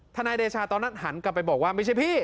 นายเดชาตอนนั้นหันกลับไปบอกว่าไม่ใช่พี่